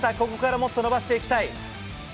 ここからもっと伸ばしていきたい。